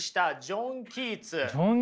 ジョン・キーツ。